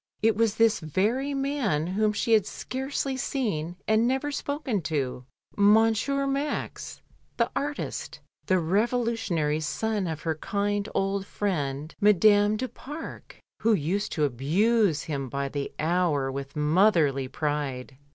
It was this very man whom she had scarcely seen and never spoken to, Monsieur Max, the artist, the revolu tionary son of her kind old friend, Madame du Pare, who used to abuse him by the hour with motherly pride.